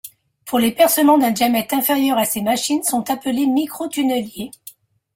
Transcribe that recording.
Pour les percements d’un diamètre inférieur à ces machines sont appelées microtunneliers.